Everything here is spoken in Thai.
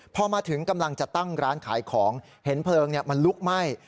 พอมาถึงกำลังจะตั้งร้านขายของเห็นเพลิงมันลุกไหม้